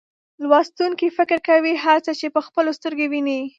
لوستونکي فکر کوي هر څه په خپلو سترګو ویني.